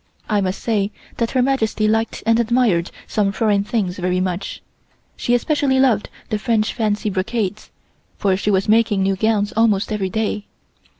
I must say that Her Majesty liked and admired some foreign things very much, she especially loved the French fancy brocades, for she was making new gowns almost every day.